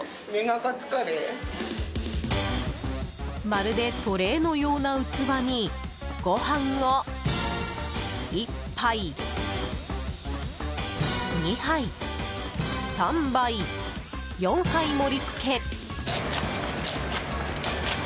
まるでトレーのような器にご飯を１杯、２杯、３杯、４杯盛り付け。